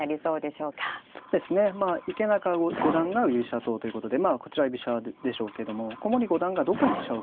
そうですねまあ池永五段が居飛車党ということでまあこちらは居飛車でしょうけども古森五段がどこに飛車を振るか。